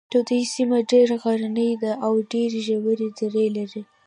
د دوی سیمه ډېره غرنۍ ده او ډېرې ژورې درې لري.